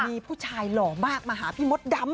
มีผู้ชายหล่อมากมาหาพี่มดดำ